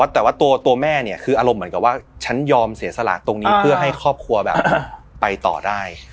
แต่ว่าตัวแม่เนี่ยคืออารมณ์เหมือนกับว่าฉันยอมเสียสละตรงนี้เพื่อให้ครอบครัวแบบไปต่อได้